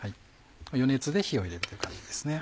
余熱で火を入れるっていう感じですね。